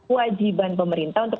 wajiban pemerintah untuk